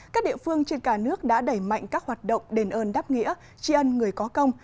các địa phương trên cả nước đã đẩy mạnh các hoạt động đền ơn đáp nghĩa tri ân người có công